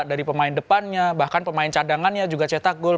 dari pemain depannya bahkan pemain cadangannya juga cetak gol